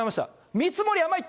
見積もり甘い。